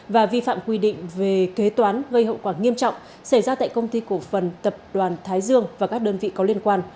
và vi phạm quy định về kế toán gây hậu quả nghiêm trọng xảy ra tại công ty cổ phần tập đoàn thái dương và các đơn vị có liên quan